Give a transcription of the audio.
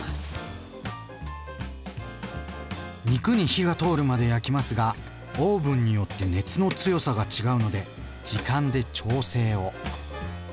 肉に火が通るまで焼きますがオーブンによって熱の強さが違うので時間で調整を。